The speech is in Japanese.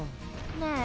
ねえ。